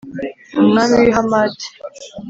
Umwami w’i Hamati,